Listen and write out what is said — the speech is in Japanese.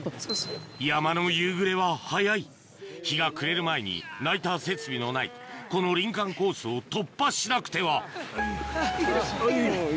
山の夕暮れは早い日が暮れる前にナイター設備のないこの林間コースを突破しなくてはせの！